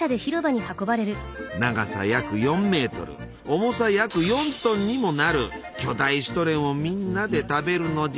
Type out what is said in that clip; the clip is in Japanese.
長さ約４メートル重さ約４トンにもなる巨大シュトレンをみんなで食べるのじゃ。